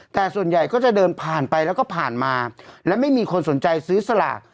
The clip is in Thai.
แต่ส่วนใหญ่ก็จะเดินผ่านไปแล้วก็ผ่านมาและไม่มีคนสนใจซื้อสลาก